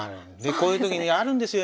こういうときにあるんですよ